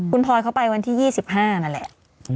คุณพลอยเขาไปวันที่๒๕นั่นแหละ